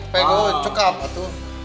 pago cukup tuh